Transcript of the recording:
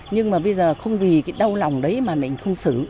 nhưng mà bây giờ không vì cái đau lòng đấy mà mình không xử